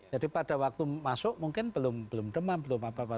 jadi pada waktu masuk mungkin belum demam belum apa apa